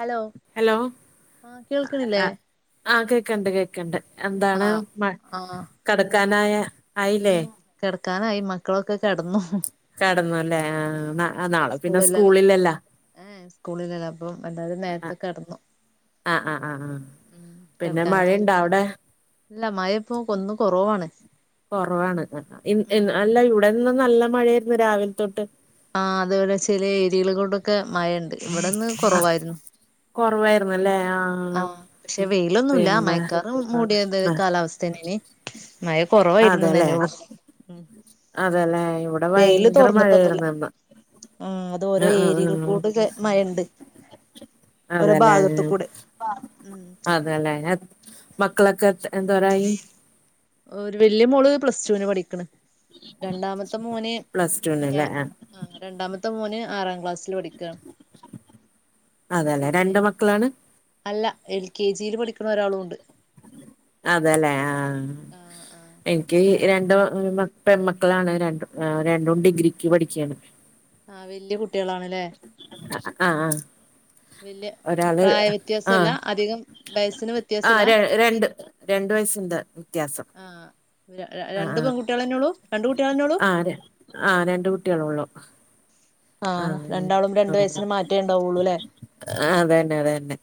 Hello hello. ആ ഹ് കേൾക്കണില്ലേ ആ ആ, കേക്ണ്ട് കേക്ണ്ട് എന്താണ് ആ മ ആ കെടക്കാനായ ആയിലേ? കെടക്കാനായി മക്കളൊക്കെ കെടന്നു. കെടന്നൂല്ലേ ആ നാളെ പിന്നെ സ്കൂളില്ലല്ലോ സ്കൂളിലല്ലാ ഏ സ്കൂളിലല്ല അപ്പം എല്ലാവരും ആഹ് നേരത്തൊ കെടന്നു. ആഹ് ആ് ആ ആ പിന്നെ കിടക്കാനായി മഴയുണ്ടാ അവിടെ? ഇല്ല മഴ ഇപ്പൊ കൊന്നു കുറവാണ്. കൊറവാണ് ഉം അല്ല ഇവിടെന്ന് നല്ല മഴായിരുന്നു രാവിലെ തൊട്ട് ആ അതുപോലെ ചെില ഏരിയകള കൊണ്ടൊക്കെ മഴ ഉണ്ട് ഇവിടെന്ന് ആഹ് കുറവായിരുന്നു. കുറവായിരുന്നല്ലേ? ആഹ് ആഹ പക്ഷെ വെയിലൊന്നുല്ല പിന്നെ മയക്കാറ് മൂടിയത് ആഹ് കാലാവസ്ഥേനി മഴ കുറവായിരുന്നുന്നെനള്ളു അതെല്ലെ ഇവിടെ ഭയങ്കര മഴായിരുന്നുന്ന്. ആ അത് ഓരോ ഏരിയൽ കൂടെ മഴണ്ട് ഓരോ ഭാഗത്ത അതെല്ലേ കൂടെ. ഉം അതല്ലേ മക്കളൊക്കെ എന്തോരായി ഒരു വല്യയ മോള് പ്ലസ് ടുവിന് പഠിക്ക്ണ് രണ്ടാമത്തെ മോന് പ്ലസ് പിന്നെ ടുവിനല്ലേ ആ രണ്ടാമത്തെ മോന് ആറാം ക്ലാസ്സിൽ പഠിക്കാണ്. അതല്ലെ പിന്നെ രണ്ട് മക്കളാണ്? അല്ല എൽ കെ ജിയിൽ പഠിക്ക്ണ ഒരാളുംണ്ട് അതേലെ ആഹ ആ ആ എനിക്കി രണ്ട് പെൺക്കളാണ് രണ്ട് രണ്ടും ഡിഗ്രിക്ക് പഠിക്കാണ് ആഹ വല്യ കുട്ടികളാണല്ലേ ആഹ് ആഹ വല്യ ഒരാള് പ്രായ ആഹ വ്യത്യാസല്ല അധികം വയസ്സിന് ആ വ്യത്യാസല്ല ര രണ്ട് രണ്ടു വയസ്സിന്റെ വ്യത്യാസം ആ ആ രണ്ട് ആ പെൺകുട്ടികളന്നോളൂ രണ്ടു കുട്ടികളെന്നോളു ആ ആ രണ്ട് കുട്ടികളെ ഉള്ളു ആ രണ്ടാളും രണ്ട് അത വയസ്സിന് മാറ്റേ ഉണ്ടാവുള്ളൂ അല്ലേ തന്നെ അത തന്നെ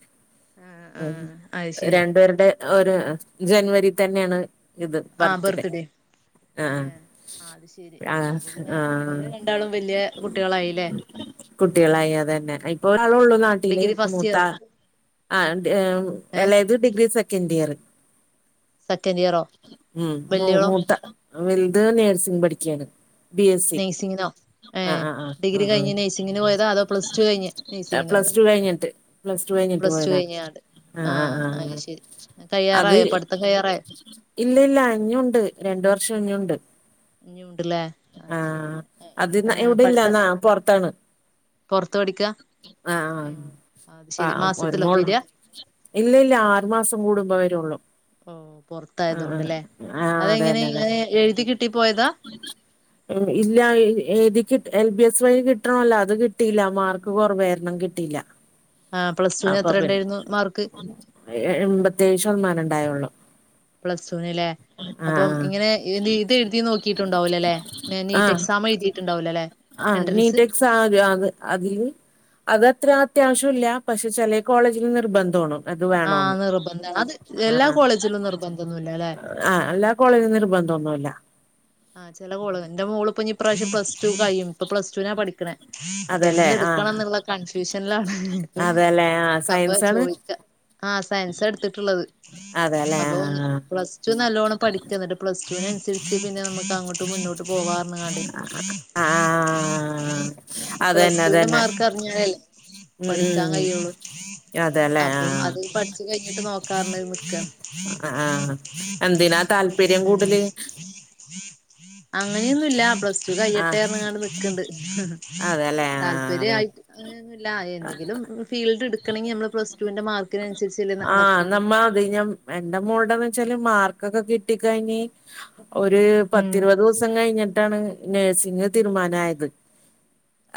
ആഹ് ഉ ആഹ് അത് ശരി രണ്ടു പേരുടെയും ഒരു ജനുവരി തന്നെയാണ് ഇത് ബർത്ത്ഡേ ആഹ ഏഹ് അത് ശരി ആഹ അപ്പൊ പിന്നെ ആഹ ഓല് രണ്ടാളും വല്യ കുട്ടികളായില്ലേ കുട്ടികളായി അത തന്നെ ഇപ്പൊ ഒരാളെഉള്ളു ആഹ് നാട്ടില് ഡിഗ്രി ഫസ്റ്റ് മൂത്ത ഇയറോ ആ ഏഹ് എളേത് ഡിഗ്രി സെക്കൻഡ് ഇയർ സെക്കൻഡ് ഇയറോ ഉ മ വല്യോളോ മൂത്ത വലുത് നേഴ്സിങ് പഠിക്കാണ് ബി എസ് സി നഴ്സിങ്ങിനോ ആഹ ഏഹ് ആ് ആ് ഡിഗ്രി ആ ഉ കഴിഞ്ഞ് നഴ്സിങ്ങിന് പോയതാ അതോ പ്ലസ് ടു കഴിഞ്ഞ് നഴ്സിങ്ങിന് പ്ലസ് പോയതാ ടു കഴിഞ്ഞിട്ട് പ്ളസ് ടു കഴിഞ്ഞു പ്ലസ് ടു പോയതാണ് കഴിഞ്ഞാണ്ട് ആഹ അത് ആഹ് ശരി അത് കഴിയാറായോ പഠിത്തം കഴിയാറായോ ഇല്ല ഇല്ല ഇനിയുണ്ട് രണ്ട് വർഷം ഇനിയുണ്ട് ഇനിയുണ്ടല്ലേ അ ശെരി പഠിത്തം പുറത്താണ് പുറത്ത് പടിക്ക ഉ ആഹ് അത് ശെരി ആഹ് പ ഒരു മാസത്തിലോ മോള് വരിക ഇല്ല ഇല്ല ആറു മാസം കൂടുമ്പോ വരള്ളൂ ഓ പുറത്തായത് കൊണ്ട്ല്ലേ ആഹ് അതെങ്ങനെ അതന്നെ അതന്നെ എഴുതി കിട്ടി പോയതാ ഇല്ല എ എൽ ബി എസ് വഴി കിട്ടണല്ലോ അത് കിട്ടിയില്ല മാർക്ക് കുറവായിരുന്നു കിട്ടിയില്ല ആ പ്ലസ ടുവിന് എത്ര ഉണ്ടായിരുന്നു മാർക്ക് എൺപത്തിയേഴ് ശതമാനം ഉണ്ടായുള്ളൂ പ്ലസ്ടു നല്ലേ അപ്പം ആഹ് ഇങ്ങനെ ഇത് എഴുതി നോക്കിയിട്ടുണ്ടാവലോ അല്ലെ നീറ്റ് എക്സാം എഴുതിയിട്ടുണ്ടാവലോ അല്ലെ ആഹ നീറ്റ് എക്സാ അത് അതില് അത്ത്ര അത്യാവശ്യംല്ല പക്ഷെ ചെലേ കോളേജില് നിർബന്ധആണ് ആ നിർബന്ധാണ് അത് എല്ലാ കോളേജിലും നിർബന്ധൊന്നുല്ല ല്ലേ ആ എല്ലാ കോളേജും നിർബന്ധോന്നുല്ല ആ ചെല കോളജു ന്റെ മോൾപ്പഞ്ഞ് ഇപ്രാവശം പ്ലസ് ടു കയ്യും ഇപ്പ പ്ലസ് ടു നാ പഠിക്കണേ അതെല്ലേ ആഹ് അപ്പൊന്തെടുക്കണംന്ന്ള്ള കൺഫ്യൂഷനിലാ അതെല്ലേ ആഹ് അപ്പൊ സയൻസാണ് ചോയിക്ക ആഹ് സയൻസടുത്തിട്ടുള്ളത് അതെല്ലേ അപ്പൊഞ് ആഹ് പ്ലസ് ടു നല്ലോണം പഠിക്ക ന്ന്ട്ട് പ്ലസ് ടുവിനനുസരിച്ച് പിന്നെ നമ്മക്ക ങ്ങോട്ട് മുന്നോട്ട് പോവാന്നാ ആഹ് പ്ലസ് അതന്നെ ടുവിന്റെ അതന്നെ മാർക്ക് അറിഞ്ഞാലല്ലേ ഉം ഉം പഠിക്കാൻ ഉം. കയ്യൊള്ളു അതെല്ലേ അപ്പം ആഹ് അത് പഠിച്ച് കഴിഞ്ഞിട്ട് നോക്കാറഞ്ഞ് നിക്കാണ് ആഹ് എന്തിനാ താല്പര്യം മ്മ്ഹ് കൂടുതല് അങ്ങനെയൊന്നുംല്ല പ്ലസ് ടു ആഹ് കയ്യട്ടേറണ്ണ്ങ്ങാണ്ട് നിക്ക്ണ്ട് അതെല്ലേ ആഹ് അതെ താല്പര്യായിട്ട്ങ്ങനൊന്നല്ല എന്തെങ്കിലും ഫീൽഡ് ഇട്ക്കണങ്ങി നമ്മള് പ്ലസ് ടുവിന്റെ മാർക്ക് തിനന്സരിച്ച്ള്ള ആഹ് നമ്മ അത്ഞമ എന്റെ മോളടെന്ന് വെച്ചാല് മാർക്കൊക്കെ കിട്ടി കഴിഞ്ഞ് ഉം ഒര്--പത്തിരുപത് ദിവസം കഴിഞ്ഞിട്ടാണ് നേഴ്സിംഗ് തീരുമാനായത്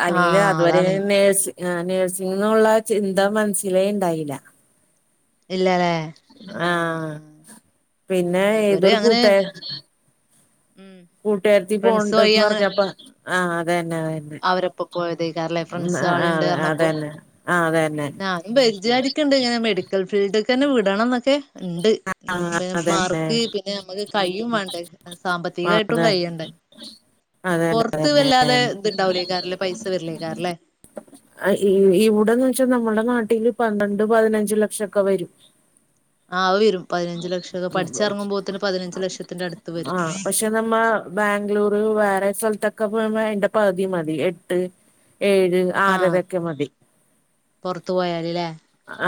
അല്ലെങ്കിൽ ആഹ് അതുവരേ അതാണ് നേഴ്സി ആ നേഴ്സിംഗോള്ളെ ചിന്ത മനസ്സിലേണ്ടായില ഇല്ലലേ ആഹ പിന്നെ ആഹ് ഇവര് ഏതൊരു അങ്ങനെ കൂട്ട ഉം കൂട്ടേരത്തി പോണ് ഫ്രണ്ട്സ് ണ്ട് വഴി ന്ന് അങ്ങനെ പറഞ്ഞപ്പ ആഹ് അതന്നെ അതന്നെ അവരൊപ്പം പോയതേക്കാരല്ലേ ഉം ഫ്രണ്ട്സ് അ ആ അതന്നെ ആ അതന്നെ. ആനും വിചാരിക്ക്ണ്ട് ങ്ങനെ മെഡിക്കൽ ഫീൽഡിൽക്കന്നെ വിടണംന്നൊക്കെ ഇണ്ട് പിന്നെ അതന്നെ മാർക്ക് പിന്നെ ഞമ്മക്ക് കഴിയും വാണ്ടേ സാമ്പത്തികായിട്ടും അതെ കഴ്യണ്ടേ? [unintelligible] പൊറത്ത് അതന്നെ വല്ലാതേ ഇത്ണ്ടാവൂലേക്കാരല്ലേ? പൈസ വര്ല്ലേക്കാരല്ലേ? ആ ഇ ഇ ഇവിടെന്ന് വെച്ചാ നമ്മള്ടെ നാട്ടില് പന്ത്രണ്ട് പതിനഞ്ച് ലക്ഷക്കെ വരും. ആ അ‌അവരും പതിനഞ്ച് ലക്ഷംക്കെ പഠിച്ചറങ്ങുമ്പോത്തിന് പതിനഞ്ച് ലക്ഷത്തിന്റെ അടുത്ത് വരും. പിന്നെമ്മൾ ബാംഗ്ലൂറ് വേറെ സ്ഥലത്തൊക്കെപ്പോവുമ്പോ അയിന്റെ പവുതി മതി എട്ട് ഏഴ് ആഹ് ആറരൊക്കെ മതി പുറത്തു പോയാല്ല്ലേ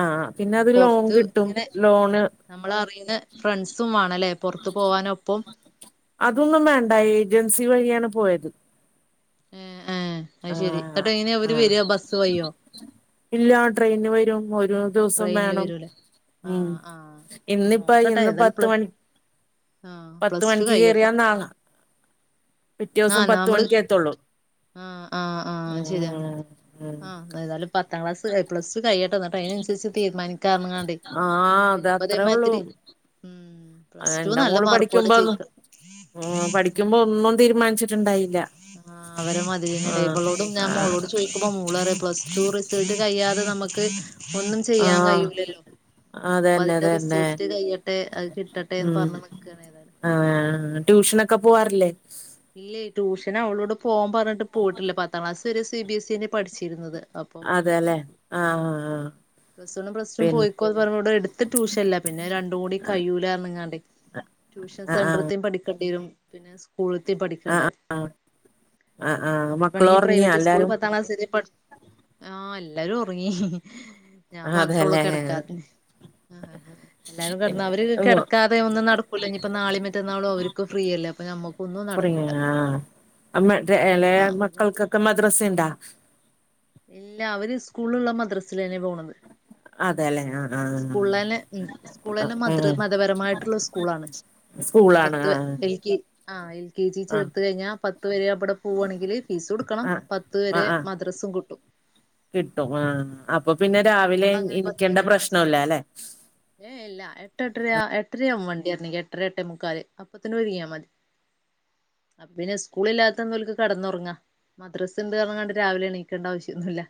ആഹ് പിന്നെ അത് ലോൺ പുറത്ത് കിട്ടും ഇങ്ങനെ ലോണ് നമ്മളറിയുന്ന ഫ്രണ്ട്സും വാണല്ലേ? പൊറത്തു പോവാനൊപ്പം അതൊന്നും വേണ്ട ഏജൻസി വഴിയാണ് പോയത്. ഏ ഏ അയ്ശരി ന്ന്ട്ട്ങ്ങനെ അവര് വരാ ബസ്സ് വയ്യോ? ഇല്ലാ ട്രെയിന് വരും ഒരു രൂസം ട്രെയിനില് വേണം വരൂലേ ഉം ആഹ് ആഹ് ഇന്നിപ്പ നോക്കട്ടെ ഇന്ന് ഏതായാലും പത്ത് പ്ല മണി ആഹ് പത്ത് പ്ലസ് ടു മണിക്ക് കഴിയട്ടെ കയറിയാ നാളെ പിറ്റോസം ആഹ് പത്ത് നമ്മള് മണിക്കേ എത്തൊള്ളൂ. ആഹ് ആഹ് ആഹ് അത്ശരിയാണ്. ആഹ് ഏതായാലും പത്ത് [unintelligible] ക്ലാസ്സ്‌ ഏയ് പ്സ് ടു കഴിയട്ടെന്ന്ട്ട് അയിനനുസരിച്ച് തീരുമാനി ക്കാറഞ്ഞ്ങ്ങാണ്ടയ് ആഹ് അത് അത്രേ ഉള്ളൂ പിന്നെപ്പതേമാതിരി ഉം പ്ലസ് ടുന്ന് എന്റെ നല്ല മോള് മാർക്കോടെ പഠിക്കുമ്പോ ജയിക്ക ഉം പഠിക്കുമ്പോ ഒന്നും തീരുമാനിച്ചിട്ട്ണ്ടായില്ല. ആ വരെമാതിരിന്നല്ലേ ഇവളോടും ഞാൻ ആഹ് മോളോട് ചോയിക്കുമ്പോ മോ ള്റയാ പ്ലസ് ടു റിസൾട്ട് കഴിയാതെ നമ്മക്ക് ഒന്നും ചെയ്യാൻ ആഹ് കഴിയൂല്ലല്ലോ? അപ്പൊ അതന്നെ അതിന്റെ അതന്നെ റിസൾട്ട് കയ്യെട്ടെ അത് കിട്ടട്ടേന്ന് ഉം പറഞ്ഞ് നിക്കാണ് ഏതായാലും ആഹ് ട്യൂഷനൊക്കെ പോവാറില്ലേ? ഇല്ലേ ട്യൂഷനവളോട് പോവ്വാം പറഞ്ഞട്ട് പോയിട്ടില്ല പത്താം ക്ലാസ് വരെ സി ബി എസ് ഇന്നേ പഠിച്ചിരുന്നത്. അപ്പം അതെല്ലേ ഉം ആഹ് ആഹ് ആഹ് പ്ലസ് വണും പ്ലസ് ടും പിന്നെ പോയിക്കോന് പറഞ്ഞപൊവിടെടുത്ത് ട്യൂഷൻല്ല പിന്നെ രണ്ടും കൂടി കയ്യൂലാറണ്ങ്ങാണ്ടയ് ട്യൂഷൻ സെന്ററത്തെയും പഠിക്കേണ്ടിരും. പിന്നെ സ്കൂളത്തെയും പഠിക്കണ്ടും ആഹ് ആഹ് അവര് മക്കള് പേണെങ്കി ഒറങ്ങിയാ പ്രൈവറ്റ് സ്കൂള് എല്ലാരും പത്താം ക്ലാസ് ആഹ എല്ലാരും ഉറങ്ങി. ഞാൻ മാത്രേ ഉള്ളൂ അതെല്ലേ കിടക്കാത്തെ ആ എല്ലാരുംിടന്ന അവ അമ്മ കിടാതെ ഒന്നും നടക്കൂല്ല. ഇനിയിപ്പ നാള മറ്റന്നാളും അവർും ഫ്രീയല്ലേ അപ്പ നമ്മുക്കൊന്നും നടക്കും ആലെ ആഹ് അവര് മക്കൾക്കൊക്കെ മദ്രസ ഉണ്ടാ? ഇല്ല അവര് സ്കൂളുള്ള മദ്രസൽ തന്നെ പോണത്. അതെല്ലേ ആഹ് ആഹ് സ്കൂള തന്നെ ഉ സ്കൂള ആഹ് തന്നെ മത ഉം മതപരമായിട്ടുള്ള സ്കൂളാണ്. സ്കൂളാണ് പത്ത് ആഹ് എൽ കെ ആ എൽ കെ ജി ആഹ് ചേർത്ത് കഴിഞ്ഞാ പത് പത്ത് വരെ അവിടെ പോകവാണെങ്കിൽ ഫീസ് കൊടുക്കണം ആഹ് പത്ത് വരെ ആഹ് ആഹ് മദ്രസും കിട്ടും കിട്ടും ആഹ അപ്പൊ പിന്നെ ഉം രാവിലെ മോളങ്ങനെ ഇനിക്കേണ്ട പ്രശ്നല്ല അല്ലെ? ഏ ഇല്ല എട്ട് എട്ടരയാ എട്ടരയാവും വണ്ടി വരെങ്കി എട്ടര എട്ട മുക്കാല് അപ്പത്തിന് ഒരുങ്ങിയാ മതി. പിന്നെ സ്കൂള ഇല്ലാത്ത എന്തോലക്ക് കടന്നുറങ്ങാ. മദ്രസ് ഉണ്ട് ക കണ്ടി രാവിലെ എണ ണ്ട ആവശ്യൊന്നുമല്ല.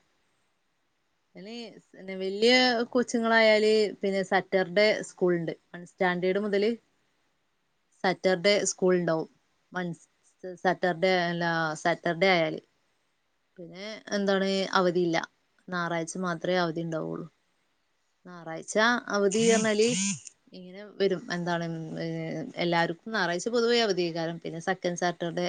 ഇ പിന്നെ വല്യയ കോച്ചിങ്ങളായാല് പിന്നെ സാറ്റർഡേ സ്കൂൾ ഉണ്ട്. സ്റ്റാൻഡേർഡ് മുതൽ സാറ്റർഡേ സ്കൂള ഉണ്ടാവും. സാറ്റർഡേ ആയല്ല സാറ്റർഡേ ആയാല്. പിന്നെ എന്താണ് അവധിയില്ല. ഞായറാഴ്ച മാത്രമേ അവധി ഉണ്ടാവുള്ളൂ. ഞറാഴ്ച അവധി എന്നാല് ഇങ്ങനെ വരും. എന്താണ് എല്ലാവർക്കും ഞറാഴ്ച പൊതുവേ അവധികാരം പിന്നെ സെക്കൻഡ് സാറ്റർഡേ